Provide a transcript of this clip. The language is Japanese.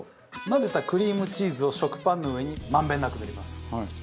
混ぜたクリームチーズを食パンの上に満遍なく塗ります。